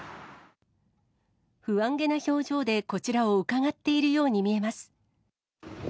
不安げな表情でこちらをうかがっているように見えます。